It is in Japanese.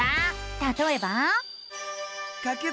たとえば。